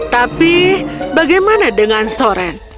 tapi bagaimana dengan soren